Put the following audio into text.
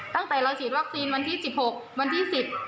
ตั้งแต่เราฉีดวัคซีนวันที่๑๖วันที่๑๐